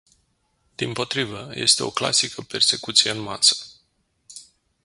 Dimpotrivă, este o clasică persecuție în masă.